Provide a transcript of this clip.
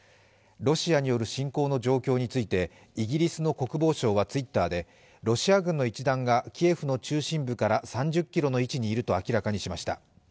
ロシアによる侵攻の状況についてイギリスの国防省はＴｗｉｔｔｅｒでロシア軍の一団がキエフの中心部から３０ｋｍの位置にいると明らかにしました。